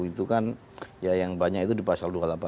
itu kan ya yang banyak itu di pasal dua ratus delapan puluh